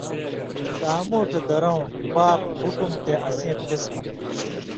سامُوٹھھ درؤں (باب) حُکُم تے اسیں قِسمہ